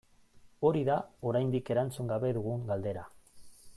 Hori da oraindik erantzun gabe dugun galdera.